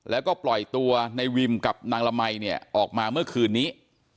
แล้วก็ปล่อยตัวในวิมกับนางละมัยเนี่ยออกมาเมื่อคืนนี้